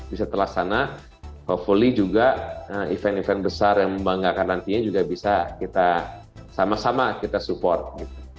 bisa telah sana volley juga event event besar yang membanggakan nantinya juga bisa kita sama sama kita support gitu